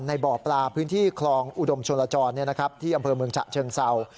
บ่อปลาพื้นที่คลองอุดมชลจรที่อำเภอเมืองฉะเชิงเศร้า